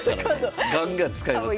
ガンガン使いますから。